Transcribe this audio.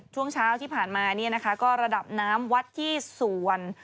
ช่วงเช้าที่ผ่านมาเนี่ยนะคะก็ระดับน้ำวัดที่สวน